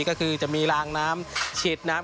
ก็คือจะมีรางน้ำฉีดน้ำ